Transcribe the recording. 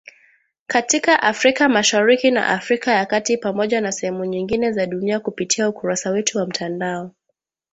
Katika Afrika Mashariki na Afrika ya kati Pamoja na sehemu nyingine za dunia kupitia ukurasa wetu wa mtandao